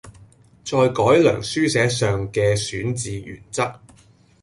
再改良書寫上嘅選字原則